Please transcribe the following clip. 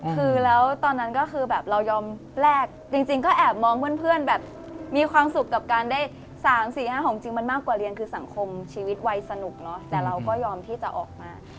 คือแล้วตอนนั้นก็คือแบบเรายอมแลกจริงก็แอบมองเพื่อนแบบมีความสุขกับการได้๓๔๕ของจริงมันมากกว่าเรียนคือสังคมชีวิตวัยสนุกเนอะแต่เราก็ยอมที่จะออกมา